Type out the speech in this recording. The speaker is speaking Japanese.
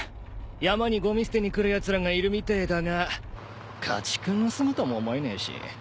山にごみ捨てに来るやつらがいるみてえだが家畜盗むとも思えねえし。